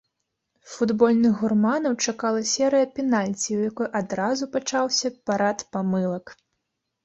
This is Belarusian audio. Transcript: Футбольных гурманаў чакала серыя пенальці, у якой адразу пачаўся парад памылак.